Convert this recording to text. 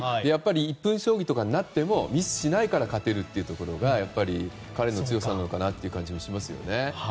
１分将棋とかになってもミスしなくて勝てるというのがやっぱり彼の強さなのかなという感じもしますよね。